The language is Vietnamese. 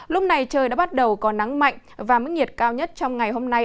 lúc này trời đã bắt đầu có nắng mạnh và mức nhiệt cao nhất trong ngày hôm nay